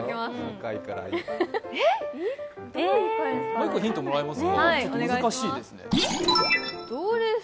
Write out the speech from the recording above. もう１個ヒントもらいます？